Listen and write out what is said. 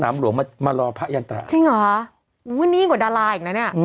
มันใหญ่อะครับ